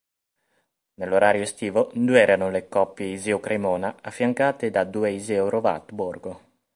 Nell'orario estivo, due erano le coppie Iseo-Cremona affiancate da due Iseo-Rovato Borgo.